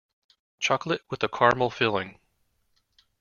Chocolate with a caramel filling.